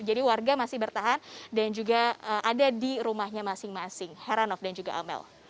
jadi warga masih bertahan dan juga ada di rumahnya masing masing heranov dan juga amel